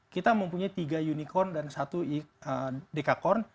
kita mempunyai tiga unicorn dan satu dekakorn